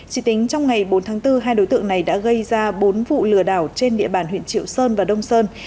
chỉ tính trong ngày bốn tháng bốn hai đối tượng này đã gây ra bốn vụ lừa đảo trên địa bàn huyện triệu sơn và đông sơn